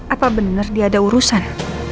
apa benar dia ada urusan